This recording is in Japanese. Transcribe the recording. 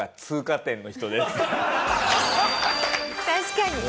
確かに。